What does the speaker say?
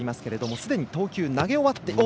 すでに投球投げ終わっている。